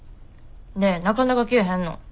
でなかなか消えへんの。